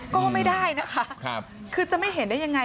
ก็ไม่ได้นะคะคือจะไม่เห็นได้ยังไง